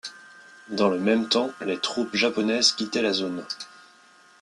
Dans le même temps, les troupes japonaises quittaient la zone.